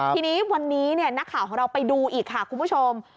ทีนี้วันนี้นักข่าวของเราไปดูอีกค่ะคุณผู้ชม